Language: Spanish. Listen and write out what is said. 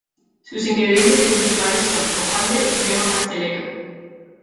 Sus ingredientes principales son: hojaldre y crema pastelera